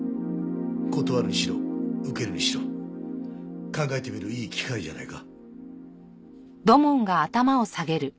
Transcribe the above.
断るにしろ受けるにしろ考えてみるいい機会じゃないか？